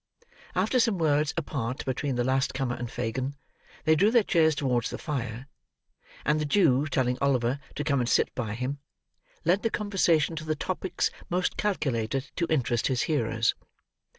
After some words apart between the last comer and Fagin, they drew their chairs towards the fire; and the Jew, telling Oliver to come and sit by him, led the conversation to the topics most calculated to interest his hearers.